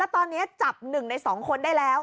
แล้วตอนนี้จับหนึ่งในสองคนได้แล้ว